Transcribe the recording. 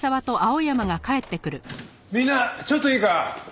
みんなちょっといいか。